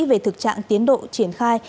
về thực trạng tiến độ triển khai